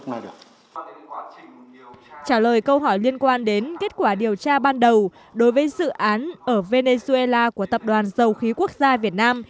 trả lời câu hỏi liên quan đến kết quả điều tra ban đầu đối với dự án ở venezuela của tập đoàn dầu khí quốc gia việt nam